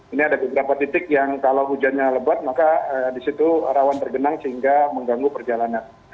ini ada beberapa titik yang kalau hujannya lebat maka disitu rawan tergenang sehingga mengganggu perjalanan